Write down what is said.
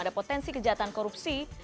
ada potensi kejahatan korupsi